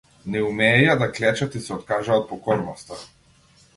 Не умееја да клечат и се откажаа од покорноста.